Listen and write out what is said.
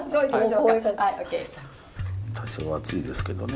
多少熱いですけどね。